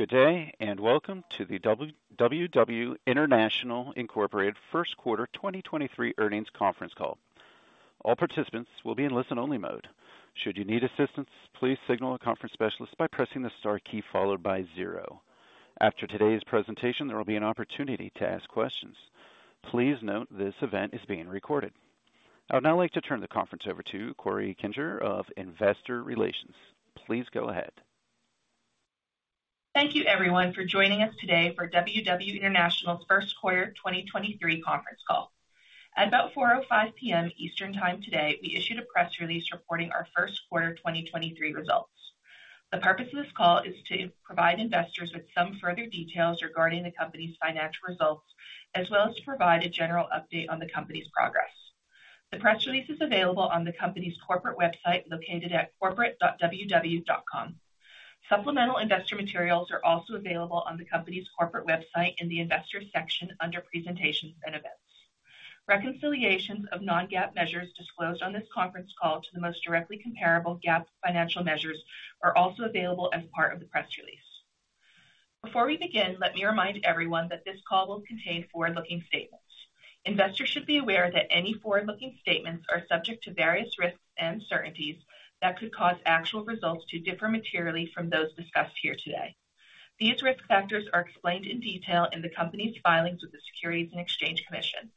Good day. Welcome to the WW International, Inc. Q1 2023 Earnings Conference Call. All participants will be in listen-only mode. Should you need assistance, please signal a conference specialist by pressing the star key followed by zero. After today's presentation, there will be an opportunity to ask questions. Please note this event is being recorded. I would now like to turn the conference over to Corey Kinger of Investor Relations. Please go ahead. Thank you, everyone, for joining us today for WW International's Q1 2023 Conference Call. At about 4:05 P.M. Eastern Time today, we issued a press release reporting our Q1 2023 results. The purpose of this call is to provide investors with some further details regarding the company's financial results, as well as to provide a general update on the company's progress. The press release is available on the company's corporate website, located at corporate.ww.com. Supplemental investor materials are also available on the company's corporate website in the Investors section under Presentations and Events. Reconciliations of non-GAAP measures disclosed on this conference call to the most directly comparable GAAP financial measures are also available as part of the press release. Before we begin, let me remind everyone that this call will contain forward-looking statements. Investors should be aware that any forward-looking statements are subject to various risks and uncertainties that could cause actual results to differ materially from those discussed here today. These risk factors are explained in detail in the company's filings with the Securities and Exchange Commission.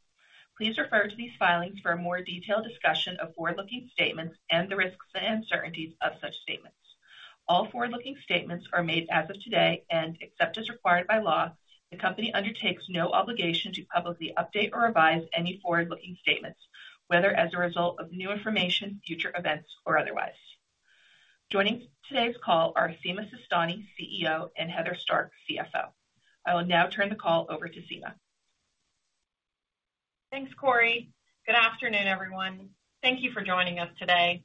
Please refer to these filings for a more detailed discussion of forward-looking statements and the risks and uncertainties of such statements. All forward-looking statements are made as of today. Except as required by law, the company undertakes no obligation to publicly update or revise any forward-looking statements, whether as a result of new information, future events or otherwise. Joining today's call are Sima Sistani, CEO, and Heather Stark, CFO. I will now turn the call over to Sima. Thanks, Corey. Good afternoon, everyone. Thank you for joining us today.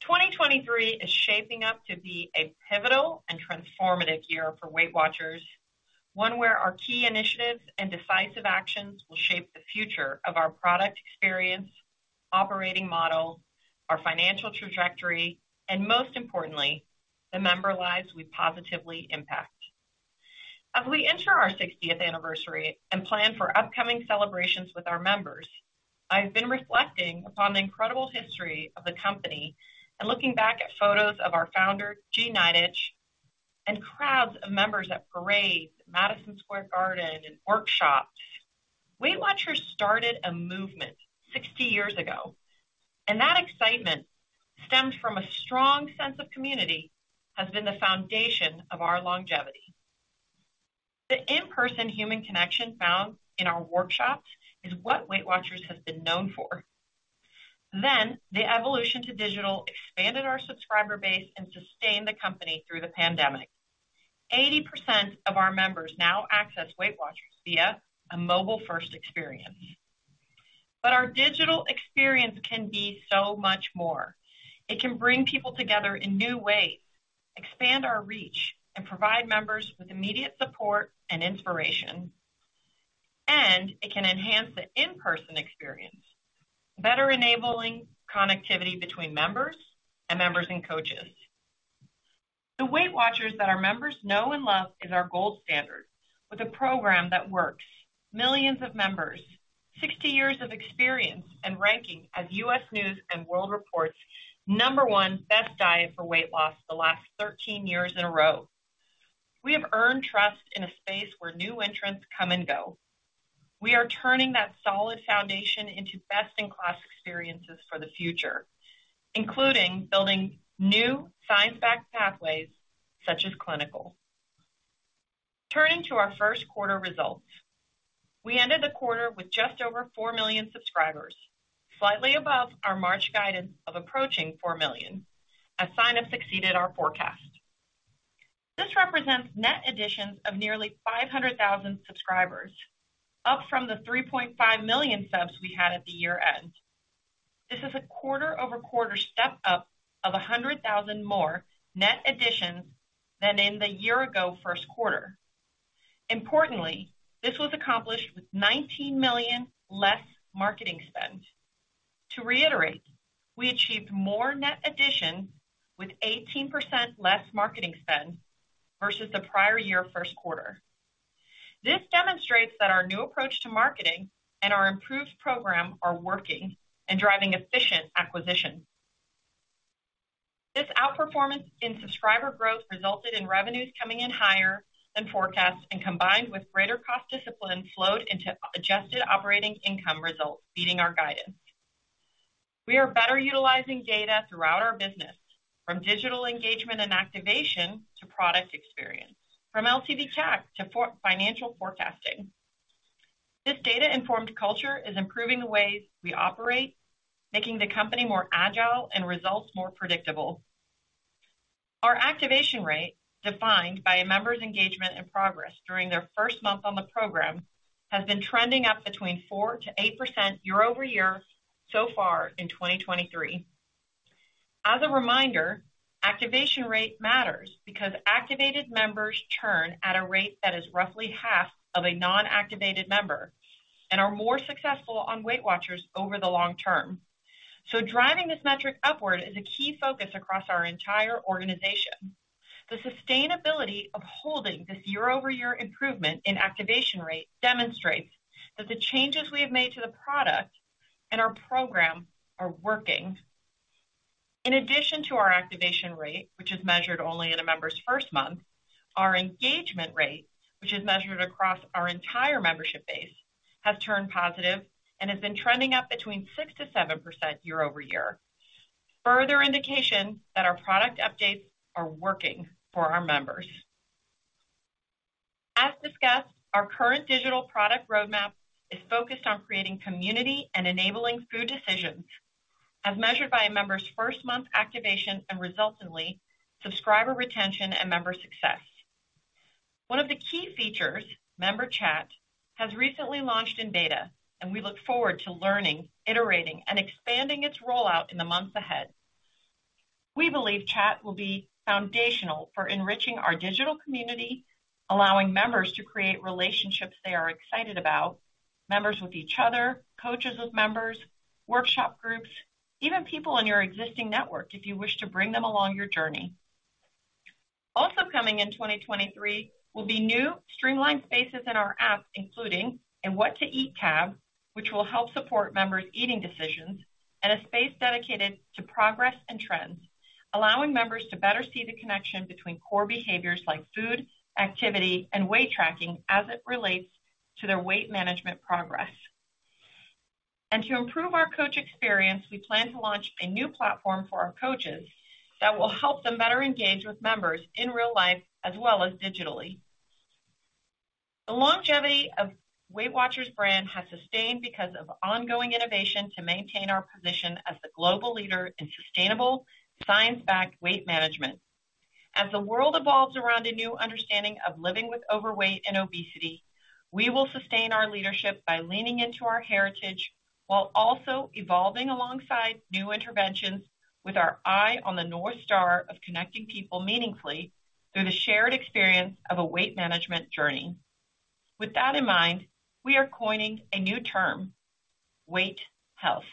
2023 is shaping up to be a pivotal and transformative year for WeightWatchers. One where our key initiatives and decisive actions will shape the future of our product experience, operating model, our financial trajectory, and most importantly, the member lives we positively impact. As we enter our 60th anniversary and plan for upcoming celebrations with our members, I've been reflecting upon the incredible history of the company and looking back at photos of our founder, Jean Nidetch, and crowds of members at parades, Madison Square Garden, and workshops. WeightWatchers started a movement 60 years ago. That excitement stemmed from a strong sense of community has been the foundation of our longevity. The in-person human connection found in our workshops is what WeightWatchers has been known for. The evolution to digital expanded our subscriber base and sustained the company through the pandemic. 80% of our members now access WeightWatchers via a mobile-first experience. Our digital experience can be so much more. It can bring people together in new ways, expand our reach, and provide members with immediate support and inspiration. It can enhance the in-person experience, better enabling connectivity between members, and members and coaches. The WeightWatchers that our members know and love is our gold standard. With a program that works, millions of members, 60 years of experience and ranking as U.S. News & World Report's number one best diet for weight loss the last 13 years in a row. We have earned trust in a space where new entrants come and go. We are turning that solid foundation into best-in-class experiences for the future, including building new science-backed pathways such as clinical. Turning to our Q1 results. We ended the quarter with just over 4 million subscribers, slightly above our March guidance of approaching 4 million as sign-ups exceeded our forecast. This represents net additions of nearly 500,000 subscribers, up from the 3.5 million subs we had at the year-end. This is a quarter-over-quarter step up of 100,000 more net additions than in the year-ago Q1. Importantly, this was accomplished with $19 million less marketing spend. To reiterate, we achieved more net addition with 18% less marketing spend versus the prior-year Q1. This demonstrates that our new approach to marketing and our improved program are working and driving efficient acquisition. This outperformance in subscriber growth resulted in revenues coming in higher than forecast and combined with greater cost discipline flowed into adjusted operating income results beating our guidance. We are better utilizing data throughout our business from digital engagement and activation to product experience, from LTV/CAC to financial forecasting. This data-informed culture is improving the ways we operate, making the company more agile and results more predictable. Our activation rate, defined by a member's engagement and progress during their first month on the program, has been trending up between 4%-8% year-over-year so far in 2023. As a reminder, activation rate matters because activated members churn at a rate that is roughly half of a non-activated member and are more successful on WeightWatchers over the long term. Driving this metric upward is a key focus across our entire organization. The sustainability of holding this year-over-year improvement in activation rate demonstrates that the changes we have made to the product and our program are working. In addition to our activation rate, which is measured only in a member's first month, our engagement rate, which is measured across our entire membership base, has turned positive and has been trending up between 6%-7% year-over-year. Further indication that our product updates are working for our members. As discussed, our current digital product roadmap is focused on creating community and enabling food decisions as measured by a member's first month activation and resultantly, subscriber retention and member success. One of the key features, member chat, has recently launched in beta. We look forward to learning, iterating, and expanding its rollout in the months ahead. We believe chat will be foundational for enriching our digital community, allowing members to create relationships they are excited about, members with each other, coaches with members, workshop groups, even people in your existing network, if you wish to bring them along your journey. Coming in 2023 will be new streamlined spaces in our app, including a what to eat tab, which will help support members' eating decisions, and a space dedicated to progress and trends, allowing members to better see the connection between core behaviors like food, activity, and weight tracking as it relates to their weight management progress. To improve our coach experience, we plan to launch a new platform for our coaches that will help them better engage with members in real life as well as digitally. The longevity of WeightWatchers brand has sustained because of ongoing innovation to maintain our position as the global leader in sustainable, science-backed weight management. As the world evolves around a new understanding of living with overweight and obesity, we will sustain our leadership by leaning into our heritage while also evolving alongside new interventions with our eye on the North Star of connecting people meaningfully through the shared experience of a weight management journey. With that in mind, we are coining a new term, Weight Health.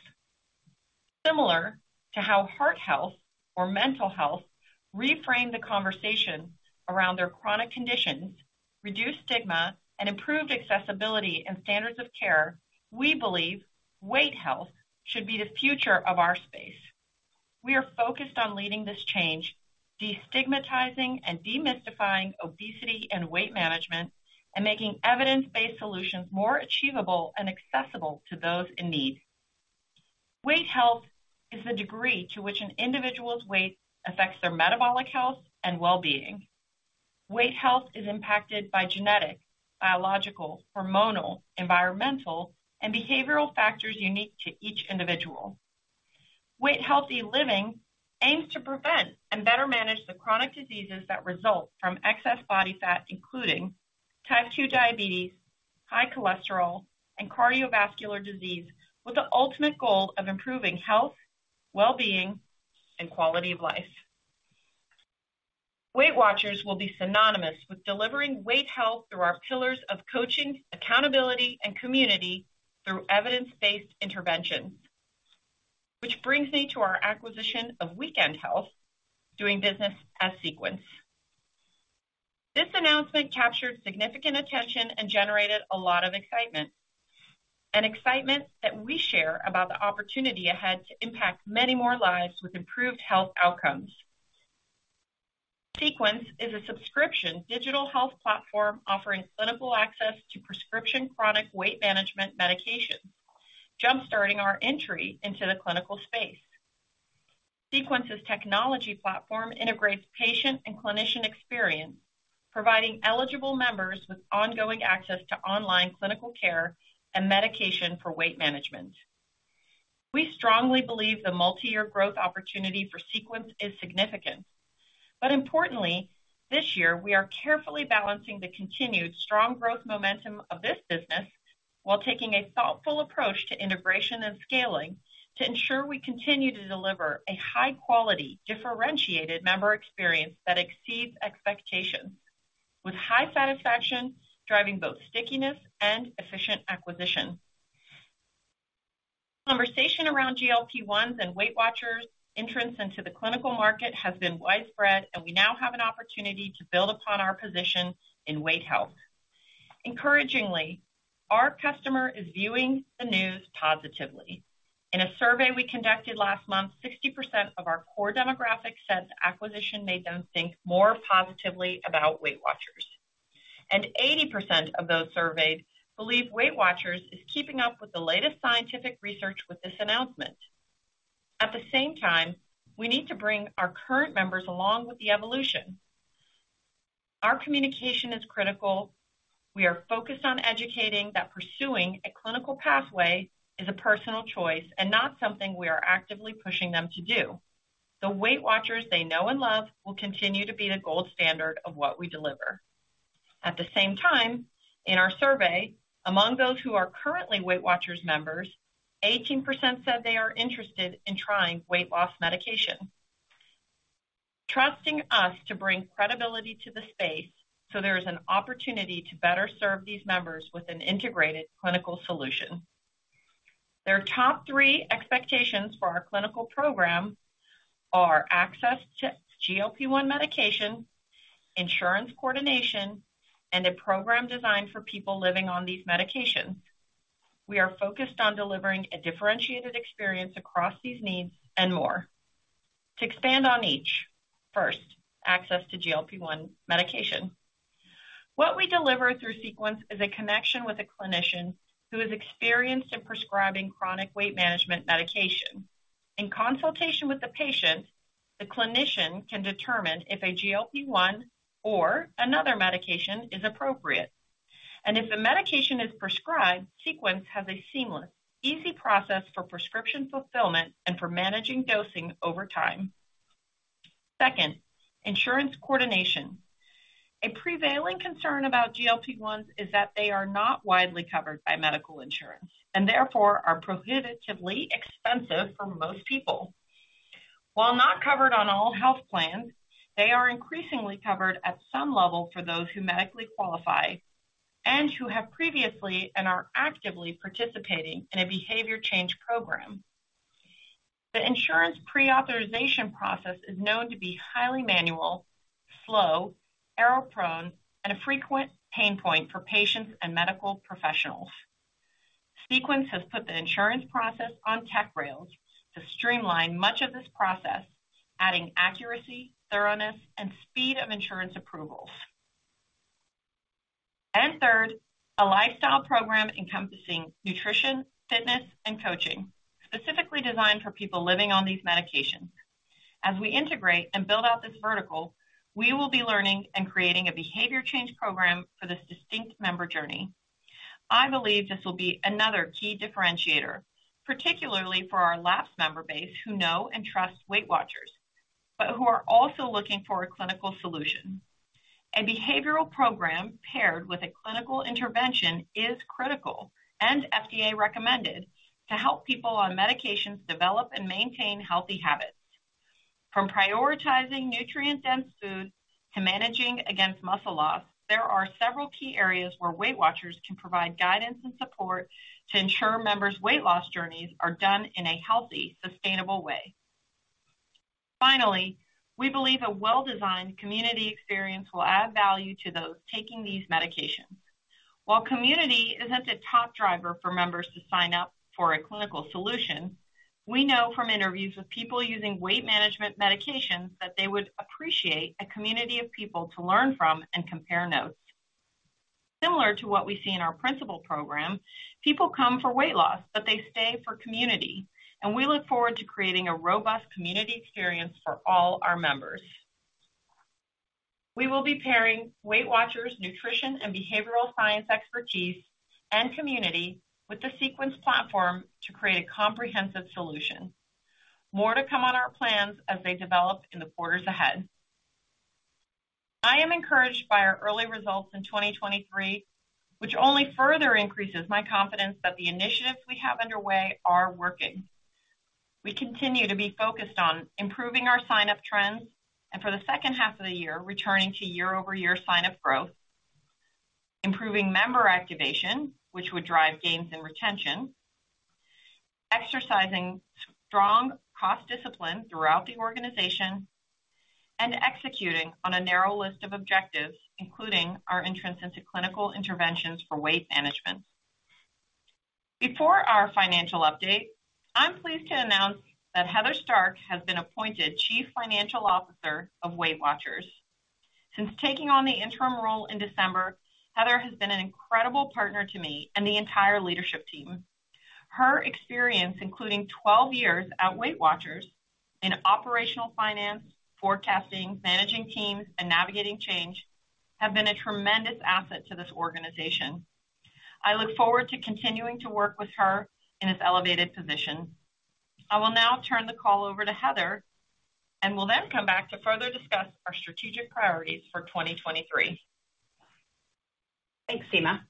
Similar to how heart health or mental health reframe the conversation around their chronic conditions, reduce stigma, and improve accessibility and standards of care, we believe Weight Health should be the future of our space. We are focused on leading this change, de-stigmatizing and demystifying obesity and weight management, and making evidence-based solutions more achievable and accessible to those in need. Weight Health is the degree to which an individual's weight affects their metabolic health and well-being. Weight Health is impacted by genetic, biological, hormonal, environmental, and behavioral factors unique to each individual. Weight healthy living aims to prevent and better manage the chronic diseases that result from excess body fat, including type 2 diabetes, high cholesterol, and cardiovascular disease, with the ultimate goal of improving health, well-being, and quality of life. WeightWatchers will be synonymous with delivering Weight Health through our pillars of coaching, accountability, and community through evidence-based interventions. Which brings me to our acquisition of Weekend Health, doing business as Sequence. This announcement captured significant attention and generated a lot of excitement, an excitement that we share about the opportunity ahead to impact many more lives with improved health outcomes. Sequence is a subscription digital health platform offering clinical access to prescription chronic weight management medications, jumpstarting our entry into the clinical space. Sequence's technology platform integrates patient and clinician experience, providing eligible members with ongoing access to online clinical care and medication for weight management. We strongly believe the multi-year growth opportunity for Sequence is significant. Importantly, this year, we are carefully balancing the continued strong growth momentum of this business while taking a thoughtful approach to integration and scaling to ensure we continue to deliver a high-quality, differentiated member experience that exceeds expectations with high satisfaction, driving both stickiness and efficient acquisition. Conversation around GLP-1 and WeightWatchers entrance into the clinical market has been widespread, and we now have an opportunity to build upon our position in Weight Health. Encouragingly, our customer is viewing the news positively. In a survey we conducted last month, 60% of our core demographic said the acquisition made them think more positively about WeightWatchers. 80% of those surveyed believe WeightWatchers is keeping up with the latest scientific research with this announcement. At the same time, we need to bring our current members along with the evolution. Our communication is critical. We are focused on educating that pursuing a clinical pathway is a personal choice and not something we are actively pushing them to do. The WeightWatchers they know and love will continue to be the gold standard of what we deliver. At the same time, in our survey, among those who are currently WeightWatchers members, 18% said they are interested in trying weight loss medication. Trusting us to bring credibility to the space so there is an opportunity to better serve these members with an integrated clinical solution. Their top three expectations for our clinical program are: access to GLP-1 medication, insurance coordination, and a program designed for people living on these medications. We are focused on delivering a differentiated experience across these needs and more. To expand on each. First, access to GLP-1 medication. What we deliver through Sequence is a connection with a clinician who is experienced in prescribing chronic weight management medication. In consultation with the patient, the clinician can determine if a GLP-1 or another medication is appropriate. If a medication is prescribed, Sequence has a seamless, easy process for prescription fulfillment and for managing dosing over time. Second, insurance coordination. A prevailing concern about GLP-1s is that they are not widely covered by medical insurance, and therefore are prohibitively expensive for most people. While not covered on all health plans, they are increasingly covered at some level for those who medically qualify and who have previously and are actively participating in a behavior change program. The insurance pre-authorization process is known to be highly manual, slow, error-prone, and a frequent pain point for patients and medical professionals. Sequence has put the insurance process on tech rails to streamline much of this process, adding accuracy, thoroughness, and speed of insurance approvals. Third, a lifestyle program encompassing nutrition, fitness, and coaching, specifically designed for people living on these medications. As we integrate and build out this vertical, we will be learning and creating a behavior change program for this distinct member journey. I believe this will be another key differentiator, particularly for our lapse member base, who know and trust WeightWatchers, but who are also looking for a clinical solution. A behavioral program paired with a clinical intervention is critical and FDA recommended to help people on medications develop and maintain healthy habits. From prioritizing nutrient-dense foods to managing against muscle loss, there are several key areas where WeightWatchers can provide guidance and support to ensure members' weight loss journeys are done in a healthy, sustainable way. Finally, we believe a well-designed community experience will add value to those taking these medications. While community isn't a top driver for members to sign up for a clinical solution, we know from interviews with people using weight management medications that they would appreciate a community of people to learn from and compare notes. Similar to what we see in our principal program, people come for weight loss, but they stay for community, and we look forward to creating a robust community experience for all our members. We will be pairing WeightWatchers' nutrition and behavioral science expertise and community with the Sequence platform to create a comprehensive solution. More to come on our plans as they develop in the quarters ahead. I am encouraged by our early results in 2023, which only further increases my confidence that the initiatives we have underway are working. We continue to be focused on improving our sign-up trends, and for the second half of the year, returning to year-over-year sign-up growth, improving member activation, which would drive gains and retention, exercising strong cost discipline throughout the organization, and executing on a narrow list of objectives, including our entrance into clinical interventions for weight management. Before our financial update, I'm pleased to announce that Heather Stark has been appointed Chief Financial Officer of WeightWatchers. Since taking on the interim role in December, Heather has been an incredible partner to me and the entire leadership team. Her experience, including 12 years at WeightWatchers in operational finance, forecasting, managing teams, and navigating change, have been a tremendous asset to this organization. I look forward to continuing to work with her in this elevated position. I will now turn the call over to Heather and will then come back to further discuss our strategic priorities for 2023. Thanks, Sima.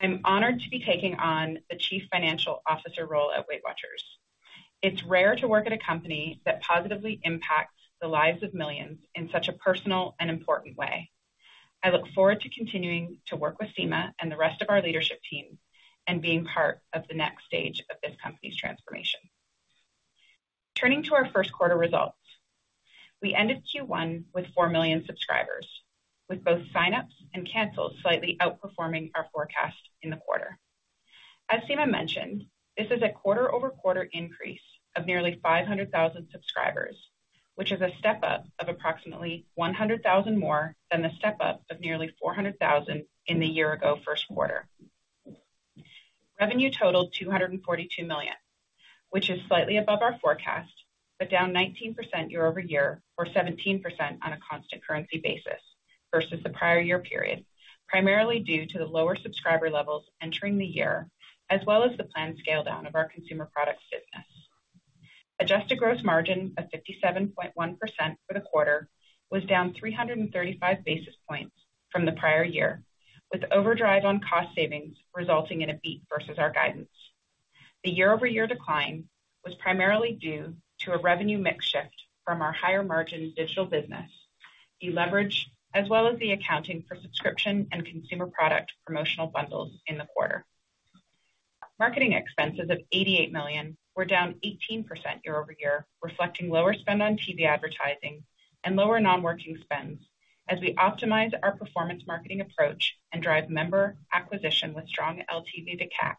I'm honored to be taking on the Chief Financial Officer role at WeightWatchers. It's rare to work at a company that positively impacts the lives of millions in such a personal and important way. I look forward to continuing to work with Sima and the rest of our leadership team and being part of the next stage of this company's transformation. Turning to our Q1 results. We ended Q1 with 4 million subscribers, with both sign-ups and cancels slightly outperforming our forecast in the quarter. As Sima mentioned, this is a quarter-over-quarter increase of nearly 500,000 subscribers, which is a step-up of approximately 100,000 more than the step-up of nearly 400,000 in the year-ago Q1. Revenue totaled $242 million, which is slightly above our forecast, but down 19% year-over-year or 17% on a constant currency basis versus the prior year period, primarily due to the lower subscriber levels entering the year as well as the planned scale down of our consumer products business. Adjusted gross margin of 57.1% for the quarter was down 335 basis points from the prior year, with overdrive on cost savings resulting in a beat versus our guidance. The year-over-year decline was primarily due to a revenue mix shift from our higher margin digital business, the leverage, as well as the accounting for subscription and consumer product promotional bundles in the quarter. Marketing expenses of $88 million were down 18% year-over-year, reflecting lower spend on TV advertising and lower non-working spends as we optimize our performance marketing approach and drive member acquisition with strong LTV/CAC,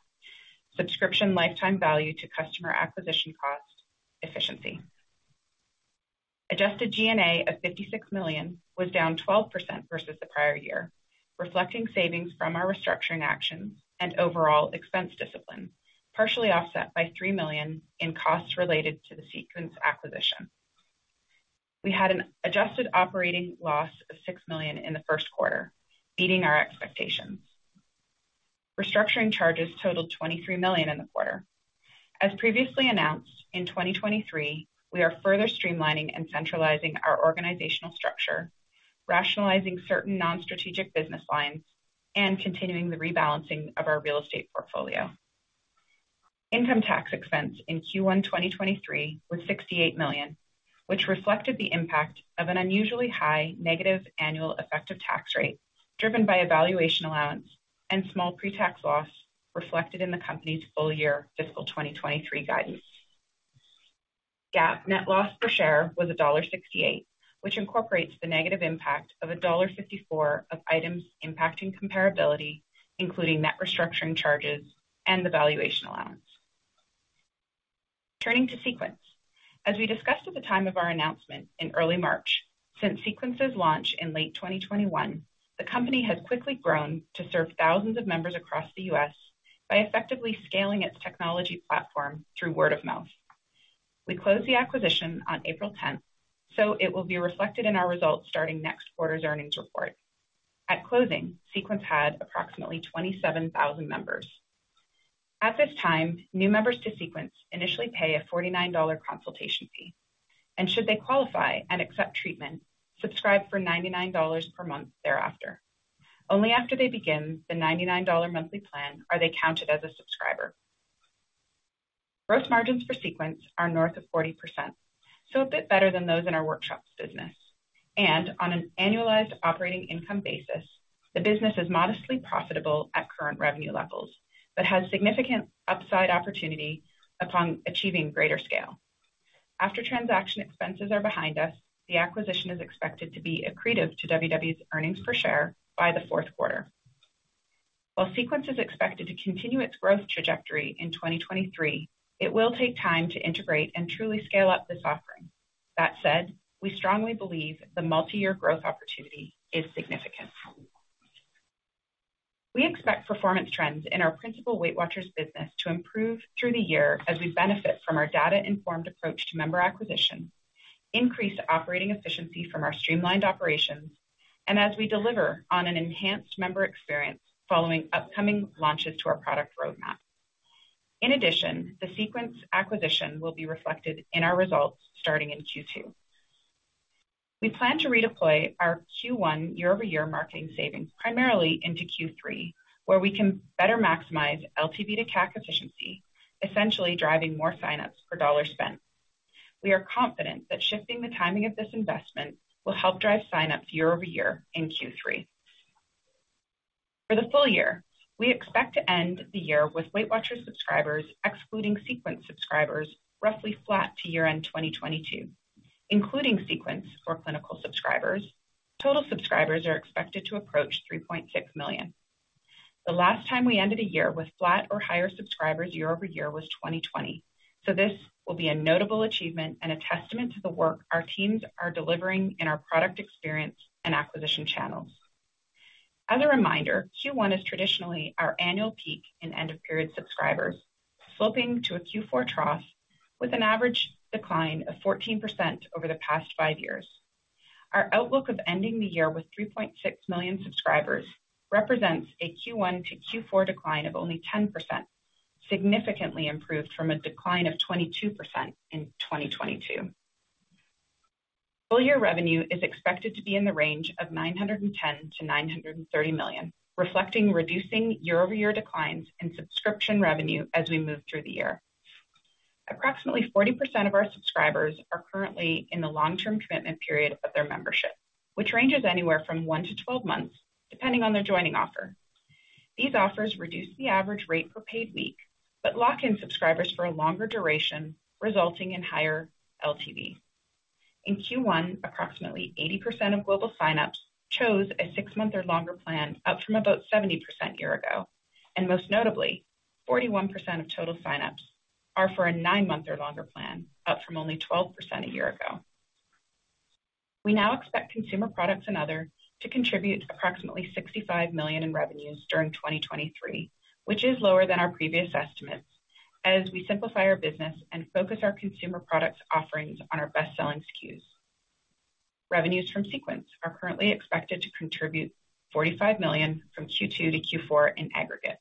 subscription lifetime value to customer acquisition cost efficiency. Adjusted G&A of $56 million was down 12% versus the prior year, reflecting savings from our restructuring actions and overall expense discipline, partially offset by $3 million in costs related to the Sequence acquisition. We had an adjusted operating loss of $6 million in the Q1, beating our expectations. Restructuring charges totaled $23 million in the quarter. As previously announced, in 2023, we are further streamlining and centralizing our organizational structure, rationalizing certain non-strategic business lines, and continuing the rebalancing of our real estate portfolio. Income tax expense in Q1 2023 was $68 million, which reflected the impact of an unusually high negative annual effective tax rate, driven by a valuation allowance and small pre-tax loss reflected in the company's full year fiscal 2023 guidance. GAAP net loss per share was $1.68, which incorporates the negative impact of $1.54 of items impacting comparability, including net restructuring charges and the valuation allowance. Turning to Sequence. As we discussed at the time of our announcement in early March, since Sequence's launch in late 2021, the company has quickly grown to serve thousands of members across the U.S. by effectively scaling its technology platform through word of mouth. We closed the acquisition on April 10th, so it will be reflected in our results starting next quarter's earnings report. At closing, Sequence had approximately 27,000 members. At this time, new members to Sequence initially pay a $49 consultation fee. Should they qualify and accept treatment, subscribe for $99 per month thereafter. Only after they begin the $99 monthly plan are they counted as a subscriber. Gross margins for Sequence are north of 40%, so a bit better than those in our workshops business. On an annualized operating income basis, the business is modestly profitable at current revenue levels, but has significant upside opportunity upon achieving greater scale. After transaction expenses are behind us, the acquisition is expected to be accretive to WW's earnings per share by the Q4. Sequence is expected to continue its growth trajectory in 2023, it will take time to integrate and truly scale up this offering. That said, we strongly believe the multi-year growth opportunity is significant. We expect performance trends in our principal WeightWatchers business to improve through the year as we benefit from our data-informed approach to member acquisition, increase operating efficiency from our streamlined operations, and as we deliver on an enhanced member experience following upcoming launches to our product roadmap. In addition, the Sequence acquisition will be reflected in our results starting in Q2. We plan to redeploy our Q1 year-over-year marketing savings primarily into Q3, where we can better maximize LTV to CAC efficiency, essentially driving more sign-ups per dollar spent. We are confident that shifting the timing of this investment will help drive sign-ups year-over-year in Q3. For the full year, we expect to end the year with WeightWatchers subscribers, excluding Sequence subscribers, roughly flat to year-end 2022. Including Sequence for clinical subscribers, total subscribers are expected to approach 3.6 million. The last time we ended a year with flat or higher subscribers year-over-year was 2020, so this will be a notable achievement and a testament to the work our teams are delivering in our product experience and acquisition channels. As a reminder, Q1 is traditionally our annual peak in end of period subscribers, sloping to a Q4 trough with an average decline of 14% over the past five years. Our outlook of ending the year with 3.6 million subscribers represents a Q1 to Q4 decline of only 10%, significantly improved from a decline of 22% in 2022. Full year revenue is expected to be in the range of $910 million-$930 million, reflecting reducing year-over-year declines in subscription revenue as we move through the year. Approximately 40% of our subscribers are currently in the long-term commitment period of their membership, which ranges anywhere from one to 12 months, depending on their joining offer. These offers reduce the average rate per paid week, but lock in subscribers for a longer duration, resulting in higher LTV. In Q1, approximately 80% of global sign-ups chose a six months or longer plan, up from about 70% year ago. Most notably, 41% of total sign-ups are for a nine months or longer plan, up from only 12% a year ago. We now expect consumer products and other to contribute approximately $65 million in revenues during 2023, which is lower than our previous estimates as we simplify our business and focus our consumer products offerings on our best-selling SKUs. Revenues from Sequence are currently expected to contribute $45 million from Q2 to Q4 in aggregate.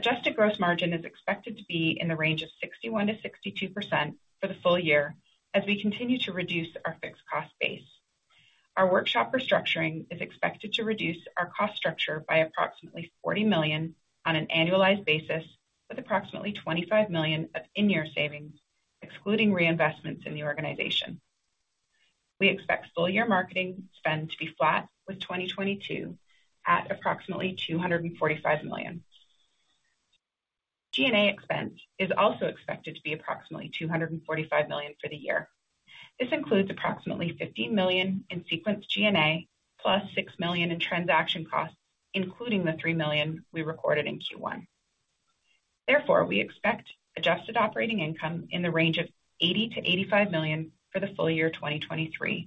Adjusted gross margin is expected to be in the range of 61%-62% for the full year as we continue to reduce our fixed cost base. Our workshop restructuring is expected to reduce our cost structure by approximately $40 million on an annualized basis, with approximately $25 million of in-year savings, excluding reinvestments in the organization. We expect full year marketing spend to be flat with 2022 at approximately $245 million. G&A expense is also expected to be approximately $245 million for the year. This includes approximately $50 million in Sequence G&A plus $6 million in transaction costs, including the $3 million we recorded in Q1. We expect adjusted operating income in the range of $80 million-$85 million for the full year 2023.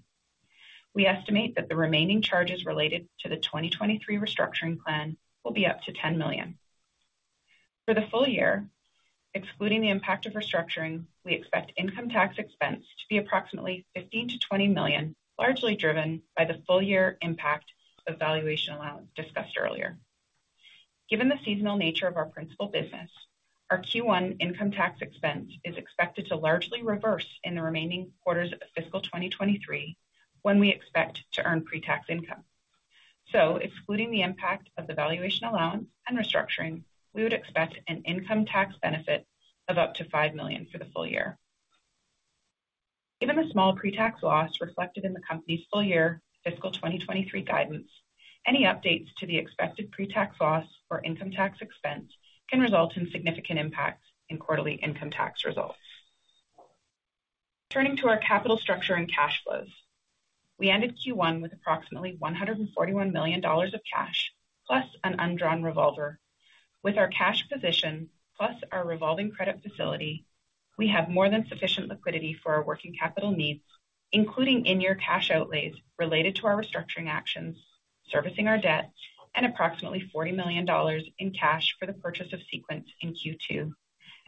We estimate that the remaining charges related to the 2023 restructuring plan will be up to $10 million. For the full year, excluding the impact of restructuring, we expect income tax expense to be approximately $15 million-$20 million, largely driven by the full year impact of valuation allowance discussed earlier. Given the seasonal nature of our principal business, our Q1 income tax expense is expected to largely reverse in the remaining quarters of fiscal 2023, when we expect to earn pre-tax income. Excluding the impact of the valuation allowance and restructuring, we would expect an income tax benefit of up to $5 million for the full year. Given the small pre-tax loss reflected in the company's full year fiscal 2023 guidance, any updates to the expected pre-tax loss or income tax expense can result in significant impacts in quarterly income tax results. Turning to our capital structure and cash flows. We ended Q1 with approximately $141 million of cash, plus an undrawn revolver. With our cash position, plus our revolving credit facility, we have more than sufficient liquidity for our working capital needs, including in-year cash outlays related to our restructuring actions, servicing our debt, and approximately $40 million in cash for the purchase of Sequence in Q2.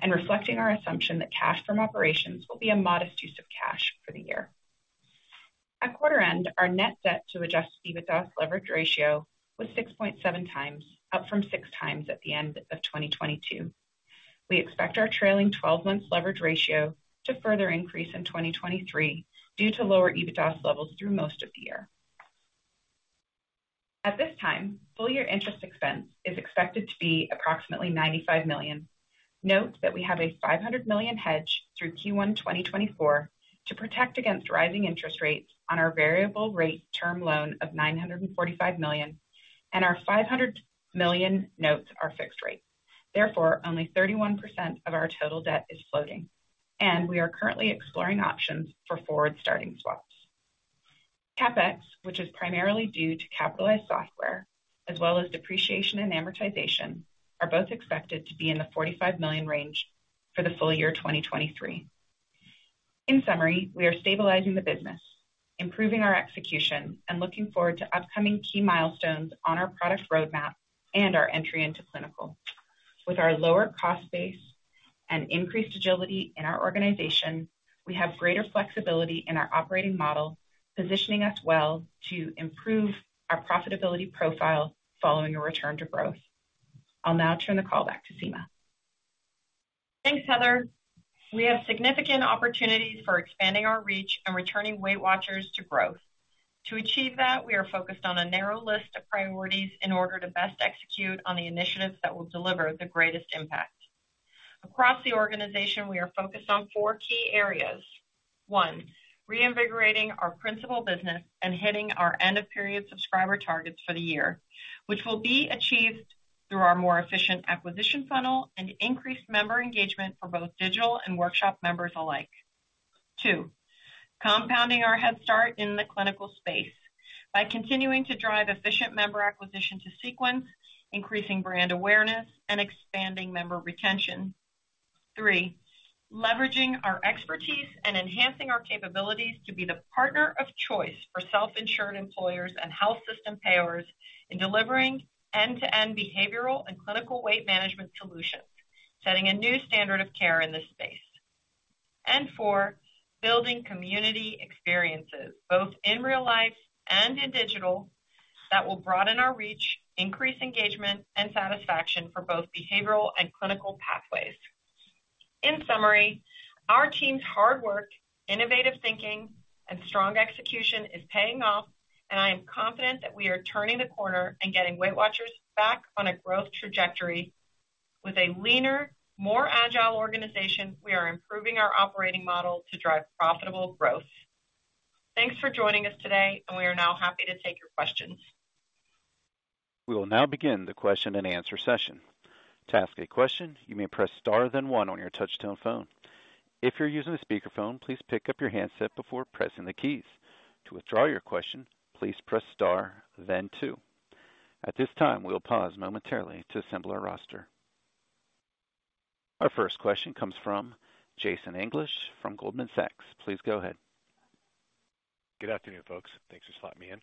Reflecting our assumption that cash from operations will be a modest use of cash for the year. At quarter end, our net debt to adjusted EBITDA's leverage ratio was 6.7 times, up from six times at the end of 2022. We expect our trailing 12 months leverage ratio to further increase in 2023 due to lower EBITDA levels through most of the year. At this time, full year interest expense is expected to be approximately $95 million. Note that we have a $500 million hedge through Q1 2024 to protect against rising interest rates on our variable rate term loan of $945 million and our $500 million notes are fixed rate. Only 31% of our total debt is floating, and we are currently exploring options for forward starting swaps. CapEx, which is primarily due to capitalized software as well as depreciation and amortization, are both expected to be in the $45 million range for the full year 2023. We are stabilizing the business, improving our execution and looking forward to upcoming key milestones on our product roadmap and our entry into clinical. With our lower cost base and increased agility in our organization, we have greater flexibility in our operating model, positioning us well to improve our profitability profile following a return to growth. I'll now turn the call back to Sima. Thanks, Heather. We have significant opportunities for expanding our reach and returning Weight Watchers to growth. To achieve that, we are focused on a narrow list of priorities in order to best execute on the initiatives that will deliver the greatest impact. Across the organization, we are focused on four key areas. One, reinvigorating our principal business and hitting our end of period subscriber targets for the year, which will be achieved through our more efficient acquisition funnel and increased member engagement for both digital and workshop members alike. Two, compounding our head start in the clinical space by continuing to drive efficient member acquisition to Sequence, increasing brand awareness and expanding member retention. Three, leveraging our expertise and enhancing our capabilities to be the partner of choice for self-insured employers and health system payers in delivering end-to-end behavioral and clinical weight management solutions, setting a new standard of care in this space. Four, building community experiences, both in real life and in digital, that will broaden our reach, increase engagement and satisfaction for both behavioral and clinical pathways. In summary, our team's hard work, innovative thinking and strong execution is paying off, and I am confident that we are turning the corner and getting WeightWatchers back on a growth trajectory. With a leaner, more agile organization, we are improving our operating model to drive profitable growth. Thanks for joining us today. We are now happy to take your questions. We will now begin the question and answer session. To ask a question, you may press star then one on your touch-tone phone. If you're using a speakerphone, please pick up your handset before pressing the keys. To withdraw your question, please press star then two. At this time, we'll pause momentarily to assemble our roster. Our first question comes from Jason English from Goldman Sachs. Please go ahead. Good afternoon, folks. Thanks for slotting me in.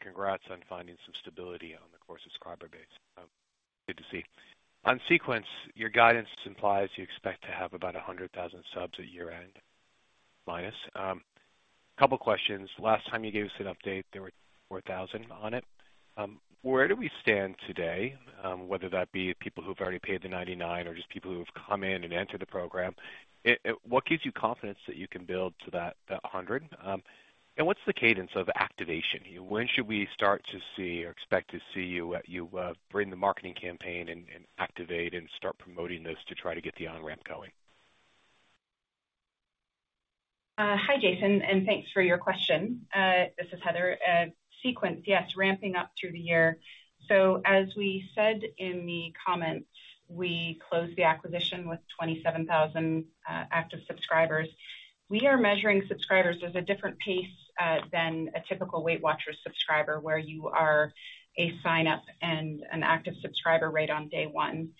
Congrats on finding some stability on the core subscriber base. Good to see. On Sequence, your guidance implies you expect to have about 100,000 subs at year-end. Minus. Couple questions. Last time you gave us an update, there were 4,000 on it. Where do we stand today? Whether that be people who've already paid the $99 or just people who have come in and entered the program. What gives you confidence that you can build to that 100? What's the cadence of activation? When should we start to see or expect to see you bring the marketing campaign and activate and start promoting this to try to get the on-ramp going? Hi, Jason, and thanks for your question. This is Heather. Sequence, yes, ramping up through the year. As we said in the comments, we closed the acquisition with 27,000 active subscribers. We are measuring subscribers as a different pace than a typical WeightWatchers subscriber, where you are a sign-up and an active subscriber right on day one.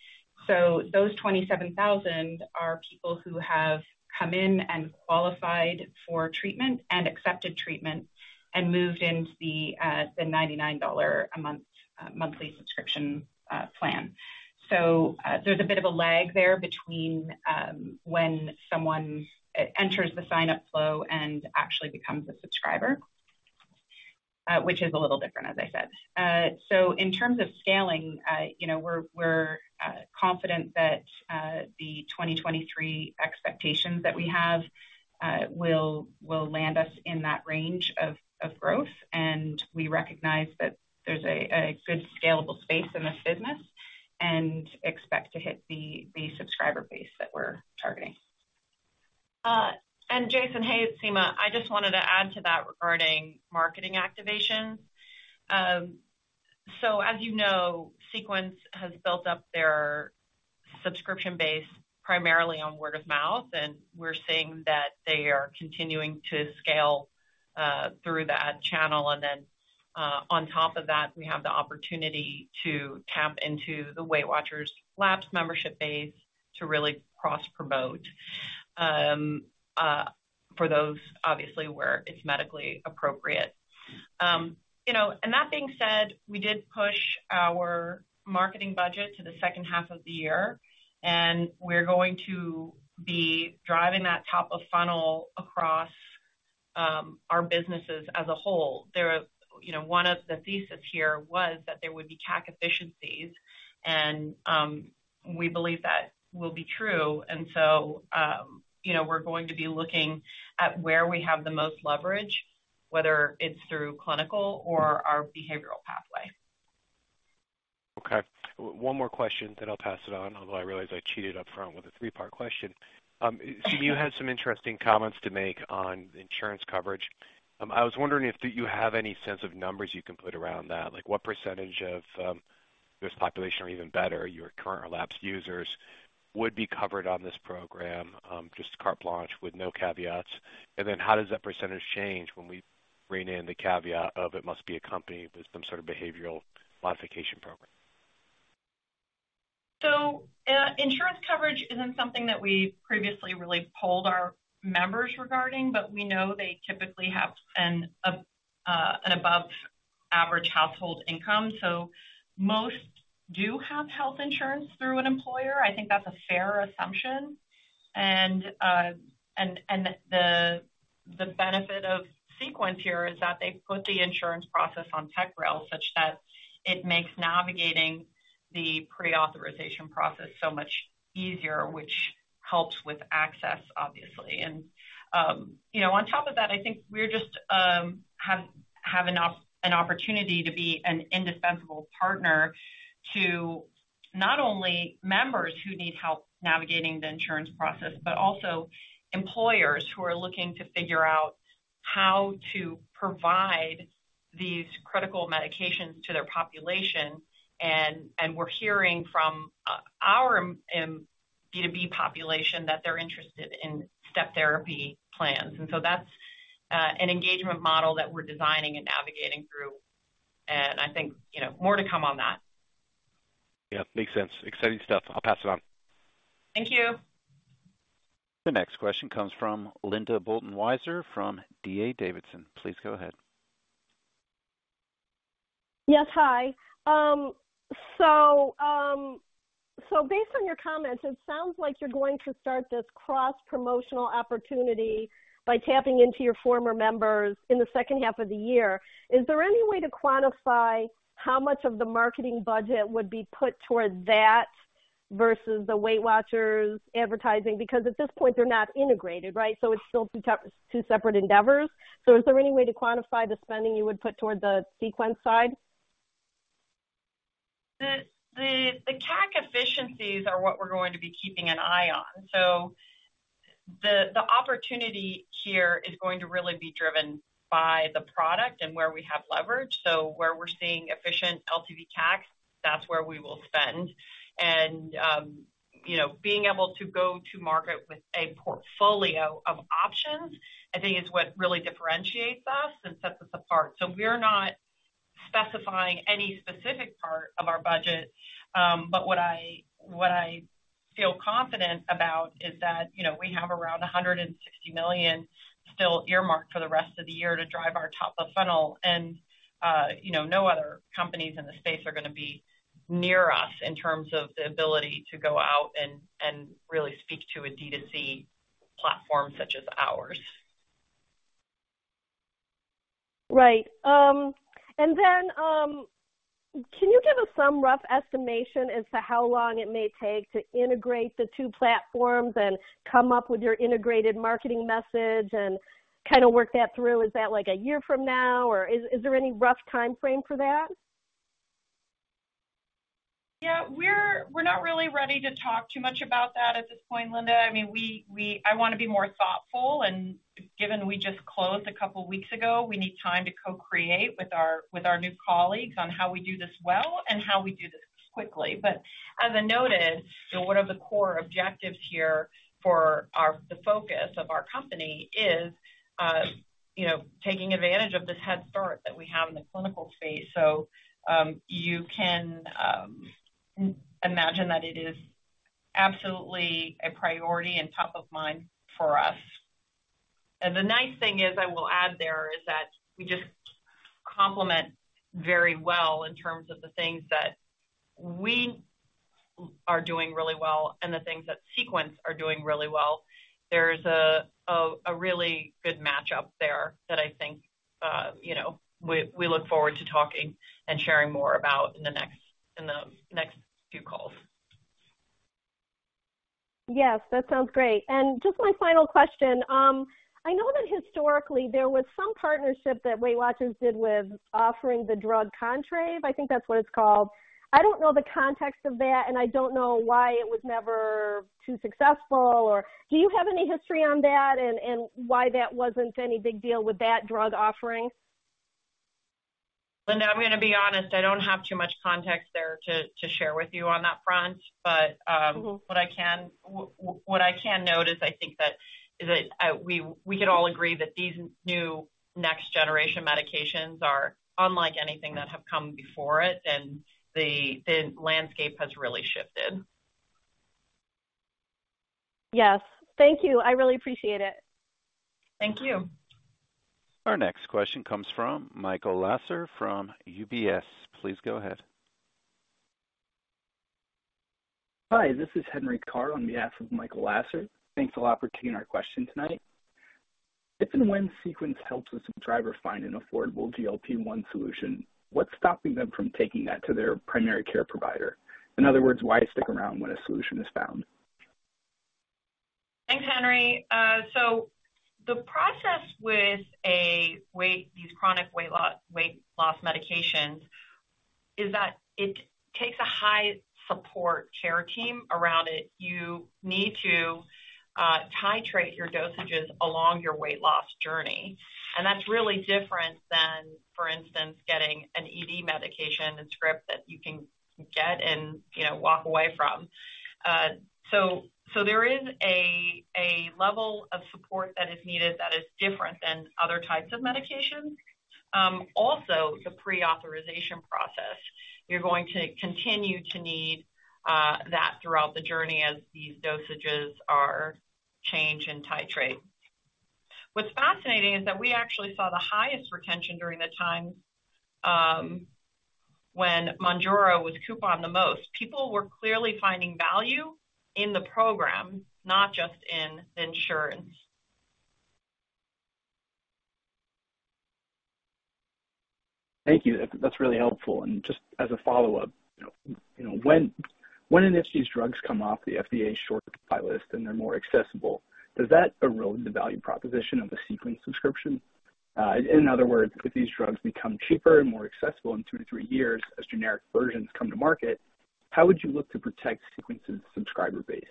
Those 27,000 are people who have come in and qualified for treatment and accepted treatment and moved into the $99 a month monthly subscription plan. There's a bit of a lag there between when someone enters the sign-up flow and actually becomes a subscriber, which is a little different, as I said. In terms of scaling, you know, we're confident that the 2023 expectations that we have, will land us in that range of growth. We recognize that there's a good scalable space in this business and expect to hit the subscriber base that we're targeting. Jason, hey, it's Sima. I just wanted to add to that regarding marketing activation. As you know, Sequence has built up their subscription base primarily on word of mouth, and we're seeing that they are continuing to scale through that channel. On top of that, we have the opportunity to tap into the WeightWatchers labs membership base to really cross-promote, for those obviously where it's medically appropriate. You know, that being said, we did push our marketing budget to the second half of the year, and we're going to be driving that top of funnel across our businesses as a whole. You know, one of the thesis here was that there would be CAC efficiencies, and we believe that will be true. You know, we're going to be looking at where we have the most leverage, whether it's through clinical or our behavioral pathway. Okay. one more question, then I'll pass it on, although I realize I cheated up front with athree part question. Sima, you had some interesting comments to make on insurance coverage. I was wondering, do you have any sense of numbers you can put around that? Like, what % of this population or even better, your current or lapsed users would be covered on this program, just carte blanche with no caveats? How does that percentage change when we rein in the caveat of it must be accompanied with some sort of behavioral modification program? Insurance coverage isn't something that we previously really polled our members regarding, but we know they typically have an above average household income, most do have health insurance through an employer. I think that's a fair assumption. The benefit of Sequence here is that they put the insurance process on tech rail such that it makes navigating the pre-authorization process so much easier, which helps with access, obviously. You know, on top of that, I think we're just have an opportunity to be an indispensable partner to not only members who need help navigating the insurance process, but also employers who are looking to figure out how to provide these critical medications to their population. We're hearing from our B2B population that they're interested in step therapy plans. That's an engagement model that we're designing and navigating through. I think, you know, more to come on that. Yeah. Makes sense. Exciting stuff. I'll pass it on. Thank you. The next question comes from Linda Bolton-Weiser from D.A. Davidson. Please go ahead. Yes. Hi. Based on your comments, it sounds like you're going to start this cross-promotional opportunity by tapping into your former members in the second half of the year. Is there any way to quantify how much of the marketing budget would be put towards that versus the WeightWatchers advertising? At this point, they're not integrated, right? It's still two separate endeavors. Is there any way to quantify the spending you would put toward the Sequence side? The CAC efficiencies are what we're going to be keeping an eye on. The opportunity here is going to really be driven by the product and where we have leverage. Where we're seeing efficient LTV CAC, that's where we will spend. You know, being able to go to market with a portfolio of options, I think is what really differentiates us and sets us apart. We're not specifying any specific part of our budget. What I feel confident about is that, you know, we have around $160 million still earmarked for the rest of the year to drive our top of funnel. You know, no other companies in the space are gonna be near us in terms of the ability to go out and really speak to a D2C platform such as ours. Right. Can you give us some rough estimation as to how long it may take to integrate the two platforms and come up with your integrated marketing message and kind of work that through? Is that like a year from now, or is there any rough timeframe for that? Yeah, we're not really ready to talk too much about that at this point, Linda. I mean, I wanna be more thoughtful and given we just closed a couple weeks ago, we need time to co-create with our new colleagues on how we do this well and how we do this quickly. As I noted, you know, one of the core objectives here for the focus of our company is, you know, taking advantage of this head start that we have in the clinical space. You can imagine that it is absolutely a priority and top of mind for us. The nice thing is, I will add there, is that we just complement very well in terms of the things that we are doing really well and the things that Sequence are doing really well. There's a really good match up there that I think, you know, we look forward to talking and sharing more about in the next few calls. Yes, that sounds great. Just my final question. I know that historically there was some partnership that WeightWatchers did with offering the drug Contrave. I think that's what it's called. I don't know the context of that, and I don't know why it was never too successful. Do you have any history on that and why that wasn't any big deal with that drug offering? Linda, I'm gonna be honest, I don't have too much context there to share with you on that front. Mm-hmm. What I can note is I think that we could all agree that these new next generation medications are unlike anything that have come before it, and the landscape has really shifted. Yes. Thank you. I really appreciate it. Thank you. Our next question comes from Michael Lasser from UBS. Please go ahead. Hi, this is Henry Carr on behalf of Michael Lasser. Thanks a lot for taking our question tonight. If and when Sequence helps a subscriber find an affordable GLP-1 solution, what's stopping them from taking that to their primary care provider? In other words, why stick around when a solution is found? Thanks, Henry. The process with these chronic weight loss medications is that it takes a high support care team around it. You need to titrate your dosages along your weight loss journey. That's really different than, for instance, getting an ED medication and script that you can get and, you know, walk away from. There is a level of support that is needed that is different than other types of medications. Also the pre-authorization process, you're going to continue to need that throughout the journey as these dosages are changed and titrated. What's fascinating is that we actually saw the highest retention during the time when Mounjaro was coupon the most. People were clearly finding value in the program, not just in insurance. Thank you. That's really helpful. Just as a follow-up, you know, when and if these drugs come off the FDA short list and they're more accessible, does that erode the value proposition of the Sequence subscription? In other words, if these drugs become cheaper and more accessible intwo to three years as generic versions come to market, how would you look to protect Sequence's subscriber base?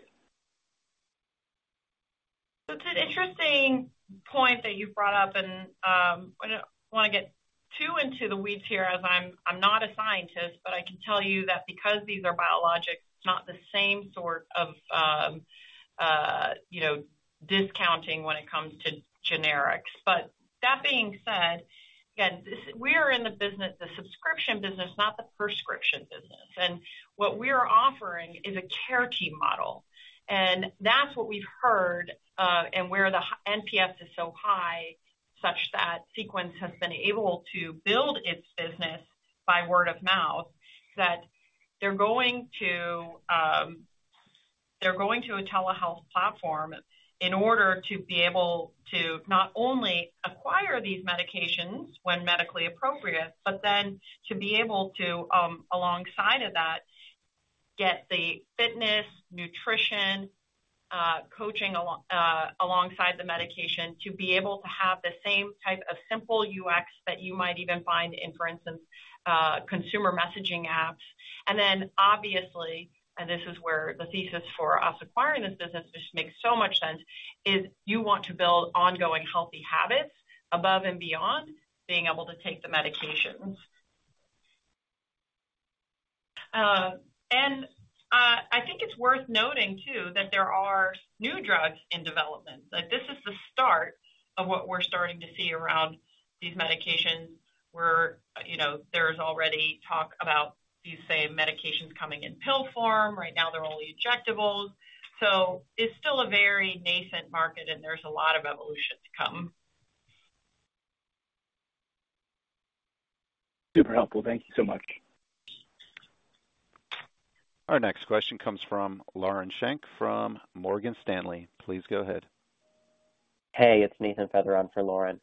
That's an interesting point that you've brought up, I don't wanna get too into the weeds here as I'm not a scientist, but I can tell you that because these are biologics, it's not the same sort of, you know, discounting when it comes to generics. That being said, again, this is, we are in the business, the subscription business, not the prescription business. What we are offering is a care team model. That's what we've heard, and where the NPS is so high, such that Sequence has been able to build its business by word of mouth, that they're going to, they're going to a telehealth platform in order to be able to not only acquire these medications when medically appropriate, but then to be able to, alongside of that, get the fitness, nutrition, coaching alongside the medication to be able to have the same type of simple UX that you might even find in, for instance, consumer messaging apps. Then obviously, and this is where the thesis for us acquiring this business just makes so much sense, is you want to build ongoing healthy habits above and beyond being able to take the medications. I think it's worth noting too that there are new drugs in development. Like this is the start of what we're starting to see around these medications where, you know, there's already talk about these, say, medications coming in pill form. Right now they're only injectables. It's still a very nascent market, and there's a lot of evolution to come. Super helpful. Thank you so much. Our next question comes from Lauren Schenk from Morgan Stanley. Please go ahead. Hey. It's Nathan Feather for Lauren.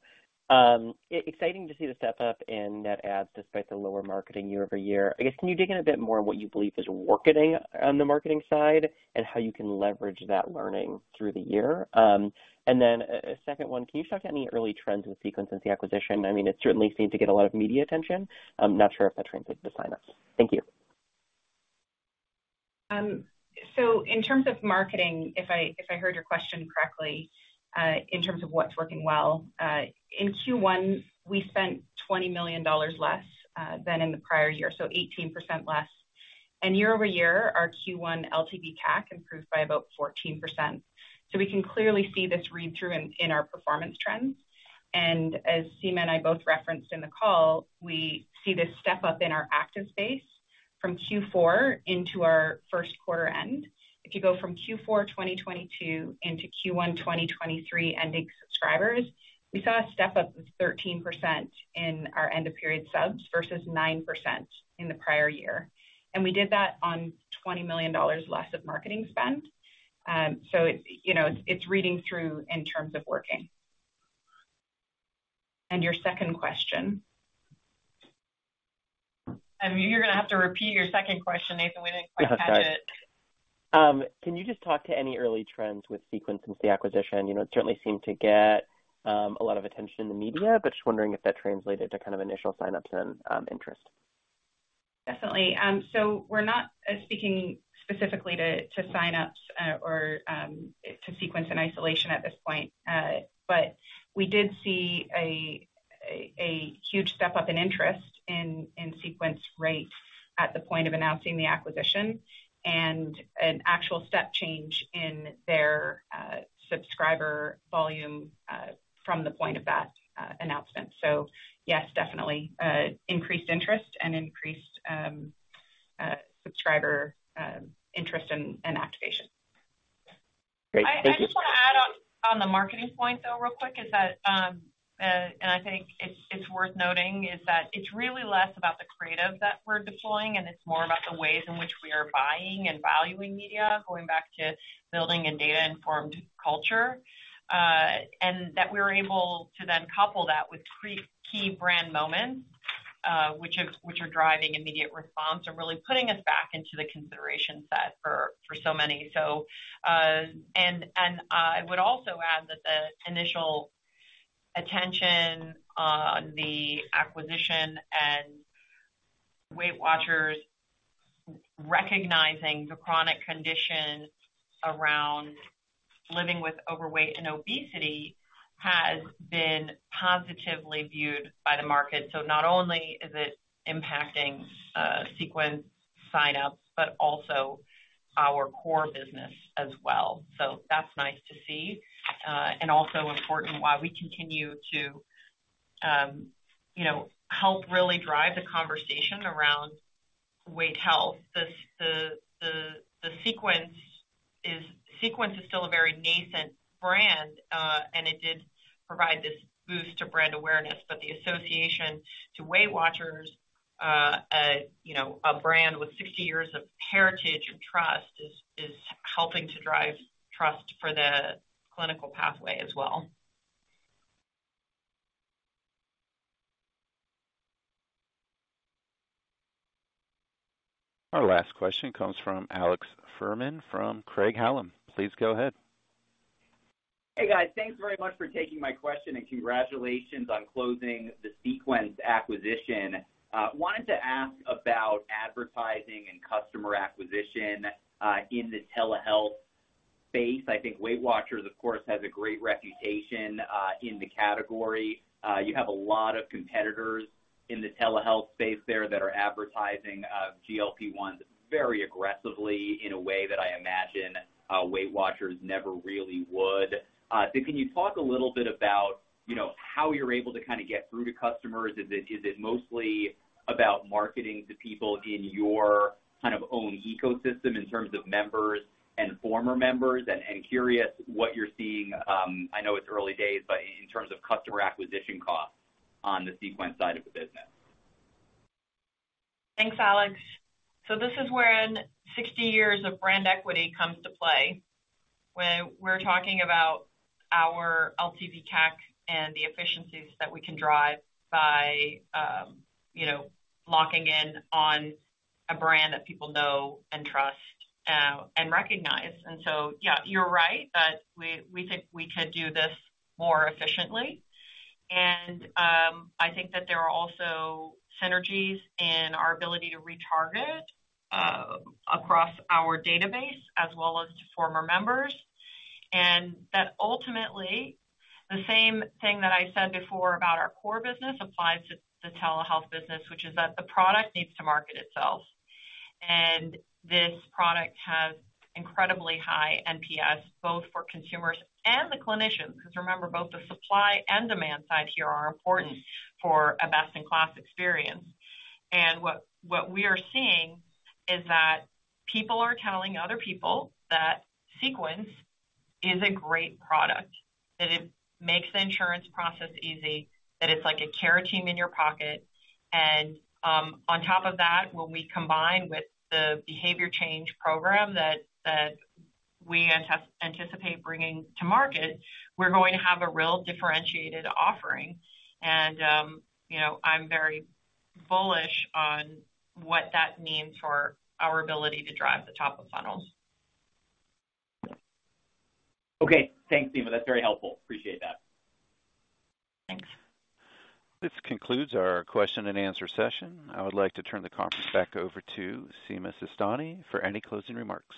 Exciting to see the step-up in net adds despite the lower marketing year-over-year. I guess, can you dig in a bit more what you believe is working on the marketing side and how you can leverage that learning through the year? Then a second one. Can you talk to any early trends with Sequence since the acquisition? I mean, it certainly seemed to get a lot of media attention. I'm not sure if that translated to signups. Thank you. In terms of marketing, if I, if I heard your question correctly, in terms of what's working well, in Q1, we spent $20 million less than in the prior year, 18% less. Year-over-year, our Q1 LTV/CAC improved by about 14%. We can clearly see this read through in our performance trends. As Sima and I both referenced in the call, we see this step up in our active base from Q4 into our Q1 end. If you go from Q4 2022 into Q1 2023 ending subscribers, we saw a step up of 13% in our end of period subs versus 9% in the prior year. We did that on $20 million less of marketing spend. It's, you know, it's reading through in terms of working. Your second question. I mean, you're gonna have to repeat your second question, Nathan. We didn't quite catch it. Oh, sorry. Can you just talk to any early trends with Sequence since the acquisition? You know, it certainly seemed to get a lot of attention in the media, but just wondering if that translated to kind of initial signups and interest? Definitely. We're not speaking specifically to signups or to Sequence in isolation at this point. We did see a huge step-up in interest in Sequence rates at the point of announcing the acquisition and an actual step change in their subscriber volume from the point of that announcement. Yes, definitely increased interest and increased subscriber interest and activation. Great. Thank you. I just wanna add on the marketing point, though, real quick, is that, and I think it's worth noting, is that it's really less about the creative that we're deploying, and it's more about the ways in which we are buying and valuing media, going back to building a data-informed culture. That we're able to then couple that with key brand moments, which are driving immediate response and really putting us back into the consideration set for so many. I would also add that the initial attention on the acquisition and WeightWatchers recognizing the chronic condition around living with overweight and obesity has been positively viewed by the market. Not only is it impacting Sequence signups, but also our core business as well. That's nice to see, and also important why we continue to, you know, help really drive the conversation around Weight Health. Sequence is still a very nascent brand, and it did provide this boost to brand awareness. The association to WeightWatchers, you know, a brand with 60 years of heritage and trust is helping to drive trust for the clinical pathway as well. Our last question comes from Alex Fuhrman from Craig-Hallum. Please go ahead. Hey, guys. Thanks very much for taking my question, and congratulations on closing the Sequence acquisition. Wanted to ask about advertising and customer acquisition in the telehealth space. I think WeightWatchers, of course, has a great reputation in the category. You have a lot of competitors in the telehealth space there that are advertising GLP-1 very aggressively in a way that I imagine WeightWatchers never really would. Can you talk a little bit about, you know, how you're able to kind of get through to customers? Is it mostly about marketing to people in your kind of own ecosystem in terms of members and former members? Curious what you're seeing, I know it's early days, but in terms of customer acquisition costs on the Sequence side of the business. Thanks, Alex. This is when 60 years of brand equity comes to play, when we're talking about our LTV /CAC and the efficiencies that we can drive by, you know, locking in on a brand that people know and trust, and recognize. Yeah, you're right that we could do this more efficiently. I think that there are also synergies in our ability to retarget across our database as well as to former members. Ultimately, the same thing that I said before about our core business applies to the telehealth business, which is that the product needs to market itself. This product has incredibly high NPS, both for consumers and the clinicians, because remember, both the supply and demand side here are important for a best-in-class experience. What we are seeing is that people are telling other people that Sequence is a great product, that it makes the insurance process easy, that it's like a care team in your pocket. On top of that, when we combine with the behavior change program that we anticipate bringing to market, we're going to have a real differentiated offering. You know, I'm very bullish on what that means for our ability to drive the top of funnels. Okay. Thanks, Sima. That's very helpful. Appreciate that. Thanks. This concludes our question and answer session. I would like to turn the conference back over to Sima Sistani for any closing remarks.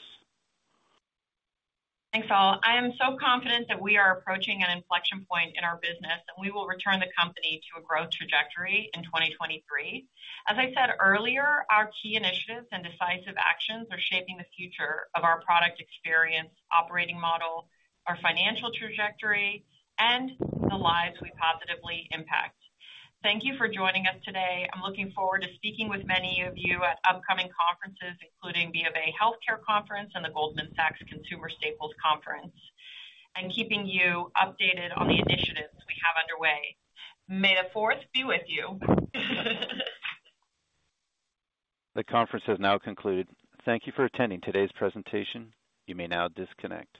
Thanks, all. I am so confident that we are approaching an inflection point in our business, and we will return the company to a growth trajectory in 2023. As I said earlier, our key initiatives and decisive actions are shaping the future of our product experience, operating model, our financial trajectory, and the lives we positively impact. Thank you for joining us today. I'm looking forward to speaking with many of you at upcoming conferences, including BofA Healthcare Conference and the Goldman Sachs Consumer Staples Conference, and keeping you updated on the initiatives we have underway. May the Fourth be with you. The conference has now concluded. Thank you for attending today's presentation. You may now disconnect.